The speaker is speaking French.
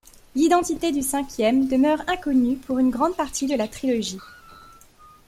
L'identité du cinquième demeure inconnue pour une grande partie de la trilogie.